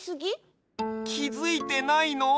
きづいてないの？